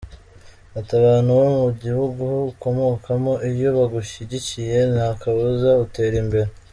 Ati “ Abantu bo mu gihugu ukomokamo iyo bagushyigikiye, ntakabuza utera imbere.